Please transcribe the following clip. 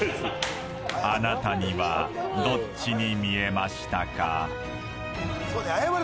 あなたにはどっちに見えましたか？